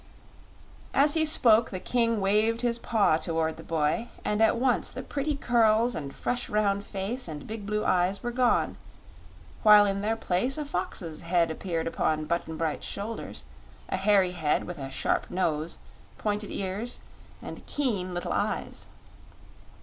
As he spoke the King waved his paw toward the boy, and at once the pretty curls and fresh round face and big blue eyes were gone, while in their place a fox's head appeared upon Button Bright's shoulders a hairy head with a sharp nose, pointed ears, and keen little eyes.